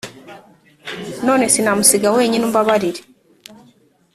none sinamusiga wenyine umbabarire.»